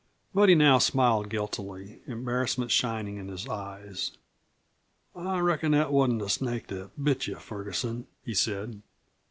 But he now smiled guiltily, embarrassment shining in his eyes. "I reckon that wasn't the snake that bit you, Ferguson," he said.